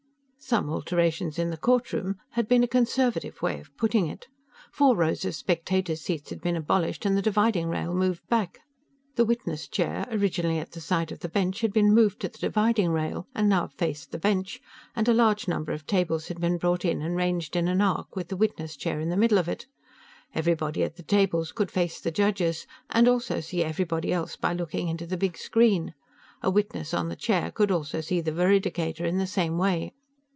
Some alterations in the courtroom had been a conservative way of putting it. Four rows of spectators' seats had been abolished, and the dividing rail moved back. The witness chair, originally at the side of the bench, had been moved to the dividing rail and now faced the bench, and a large number of tables had been brought in and ranged in an arc with the witness chair in the middle of it. Everybody at the tables could face the judges, and also see everybody else by looking into the big screen. A witness on the chair could also see the veridicator in the same way.